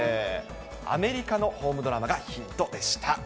アメリカのホームドラマがヒントでした。